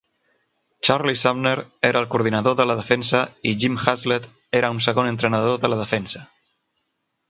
Charlie Sumner era el coordinador de la defensa i Jim Haslett era un segon entrenador de la defensa.